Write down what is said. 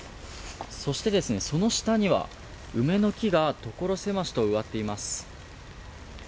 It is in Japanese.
そして、その下には梅の木がところ狭しと植わっています。